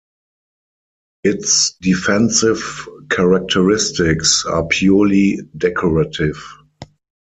Its defensive characteristics are purely decorative.